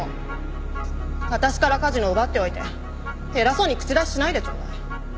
私から梶野を奪っておいて偉そうに口出ししないでちょうだい。